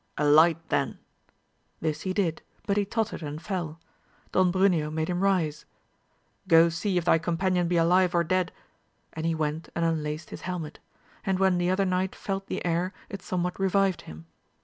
Alight then ! this he did, but he tottered and fell. Don Bruneo made him rise ;— Go see if thy companion be alive or dead, and he went and unlaced his helmet ; and when the other knight felt the air it somewhat revived him.